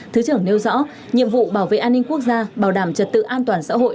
thứ trưởng nêu rõ nhiệm vụ bảo vệ an ninh quốc gia bảo đảm trật tự an toàn xã hội